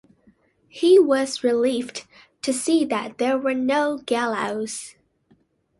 He was relieved to see that there were no gallows.